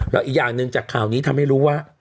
แล้วอีกอย่างหนึ่งจากข่าวนี้ทำให้รู้ว่า